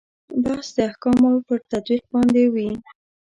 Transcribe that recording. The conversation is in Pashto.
بحث د احکامو پر تطبیق باندې وي.